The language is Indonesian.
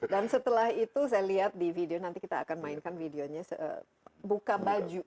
dan setelah itu saya lihat di video nanti kita akan mainkan videonya buka baju